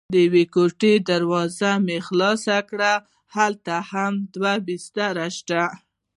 د یوې کوټې دروازه مې خلاصه کړه: هلته هم دوه بسترې شته.